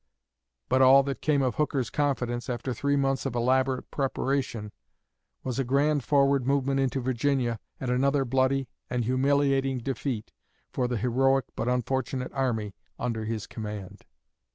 '" But all that came of Hooker's confidence, after three months of elaborate preparation, was a grand forward movement into Virginia and another bloody and humiliating defeat for the heroic but unfortunate army under his command.